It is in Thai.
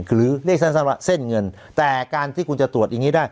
หรือเรียกสั้นว่าเส้นเงินแต่การที่คุณจะตรวจอย่างนี้ได้